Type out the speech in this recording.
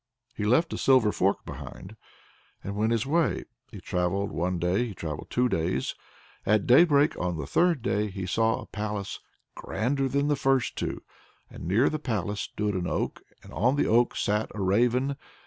He left a silver fork behind, and went his way. He travelled one day, he travelled two days; at daybreak on the third day he saw a palace grander than the first two, and near the palace stood an oak, and on the oak sat a raven.